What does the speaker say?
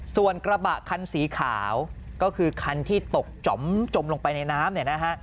ส่วนกระบะคันสีขาวก็คือคันที่ตกจมลงไปในน้ำ